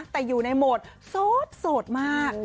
แต่อยู่ในโหมดโสดมาก